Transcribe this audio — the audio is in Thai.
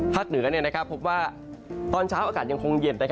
เหนือพบว่าตอนเช้าอากาศยังคงเย็น